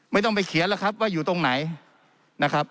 ไม่ต้องไปเขียนแล้วครับว่าอยู่ตรงไหนนะครับ